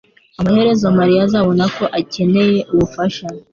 Amaherezo mariya azabona ko akeneye ubufasha